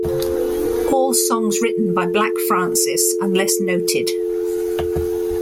All songs written by Black Francis, unless noted.